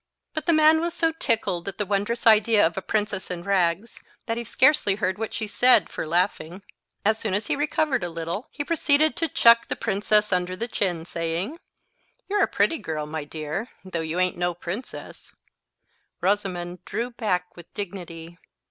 But the man was so tickled at the wondrous idea of a princess in rags, that he scarcely heard what she said for laughing. As soon as he recovered a little, he proceeded to chuck the princess under the chin, saying— "You're a pretty girl, my dear, though you ain't no princess." Rosamond drew back with dignity.